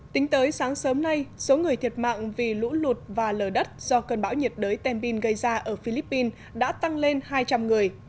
tính tới sáng sớm nay số người thiệt mạng vì lũ lụt và lở đất do cơn bão nhiệt đới tembin gây ra ở philippines đã tăng lên hai trăm linh người